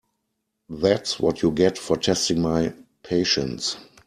That’s what you get for testing my patience.